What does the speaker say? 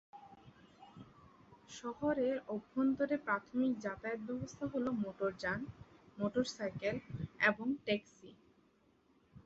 শহরের অভ্যন্তরে প্রাথমিক যাতায়াত ব্যবস্থা হল মোটর যান, মোটরসাইকেল এবং ট্যাক্সি।